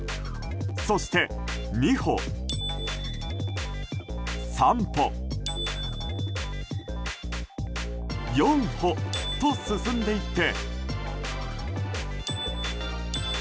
そして２歩、３歩、４歩と進んでいって。